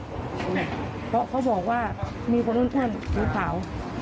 เพราะเขาบอกว่ามีคนอื่นท่านรู้ข่าว